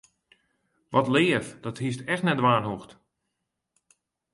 Wat leaf, dat hiest echt net dwaan hoegd.